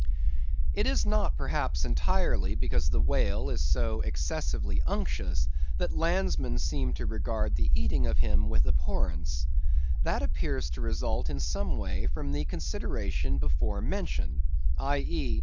It is not, perhaps, entirely because the whale is so excessively unctuous that landsmen seem to regard the eating of him with abhorrence; that appears to result, in some way, from the consideration before mentioned: _i.e.